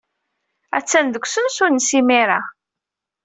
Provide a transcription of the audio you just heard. Attan deg usensu-nnes imir-a.